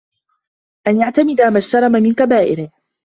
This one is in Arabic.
أَنْ يَعْتَمِدَ مَا اجْتَرَمَ مِنْ كَبَائِرِهِ